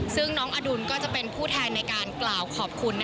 ซึ่งน้องอดุลก็จะเป็นผู้แทนในการกล่าวขอบคุณ